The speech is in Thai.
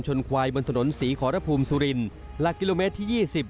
ควายบนถนนศรีขอรภูมิสุรินหลักกิโลเมตรที่๒๐